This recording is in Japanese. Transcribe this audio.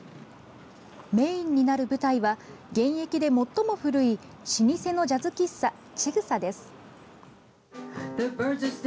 メインになる舞台は現役で最も古い老舗のジャズ喫茶 ＣＨＩＧＵＳＡ です。